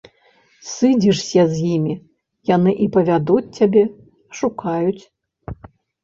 Сыдзешся з імі, яны і падвядуць цябе, ашукаюць.